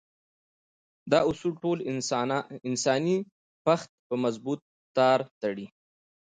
دا اصول ټول انساني پښت په مضبوط تار تړي.